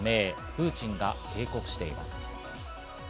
プーチンが警告しています。